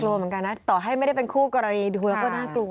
เหมือนกันนะต่อให้ไม่ได้เป็นคู่กรณีดูแล้วก็น่ากลัว